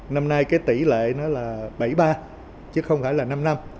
năm nay cái tỷ lệ nó là bảy ba chứ không phải là năm năm